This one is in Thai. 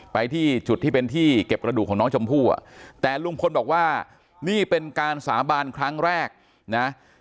ไปที่จุดที่เป็นที่เก็บกระดูกของน้องชมพู่อ่ะแต่ลุงพลบอกว่านี่เป็นการสาบานครั้งแรกนะ